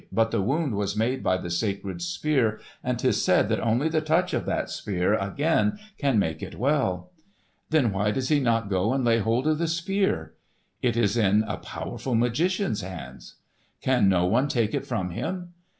But the wound was made by the sacred Spear, and 'tis said that only the touch of that Spear again can make it well." "Then why does he not go and lay hold of the Spear?" "It is in a powerful magician's hands." "Can no one take it from him?"